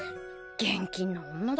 現金な女だ。